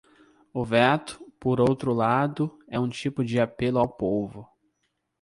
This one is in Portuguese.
O veto, por outro lado, é um tipo de apelo ao povo.